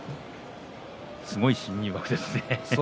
すごい新入幕ですね。